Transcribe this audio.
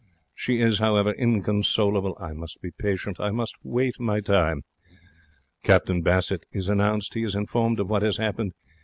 She is, however, inconsolable. I must be patient. I must wait my time. Captain Bassett is announced. He is informed of what has 'appened.